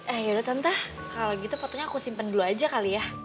eh ya udah tante kalau gitu fotonya aku simpen dulu aja kali ya